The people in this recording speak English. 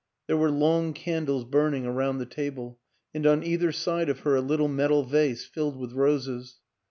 There were long candles burn ing around the table and on either side of her a little metal vase filled with roses.